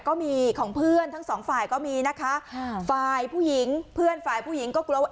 ก็มีของเพื่อนทั้งสองฝ่ายก็มีนะคะฝ่ายผู้หญิงเพื่อนฝ่ายผู้หญิงก็กลัวว่า